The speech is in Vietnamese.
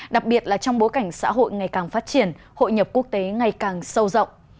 đặc biệt là trong bối cảnh xã hội ngày càng phát triển hội nhập quốc tế ngày càng sâu rộng